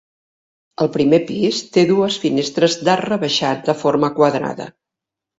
El primer pis té dues finestres d'arc rebaixat de forma quadrada.